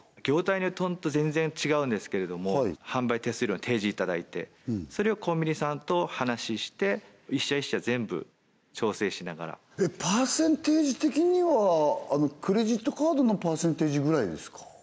業態によってホント全然違うんですけれども販売手数料の提示いただいてそれをコンビニさんと話しして１社１社全部調整しながらパーセンテージ的にはクレジットカードのパーセンテージぐらいですか？